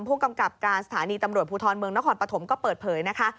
ผู้กำกับการสถานีตำรวจภูทรเมืองนครปฐมก็เปิดเผยนะคะ